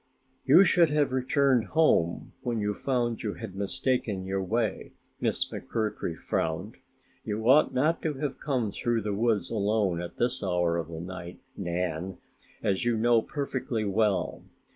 "You should have returned home when you found you had mistaken the way," Miss McMurtry frowned. "You ought not to have come through the woods alone at this hour of the night, Nan, as you know perfectly well.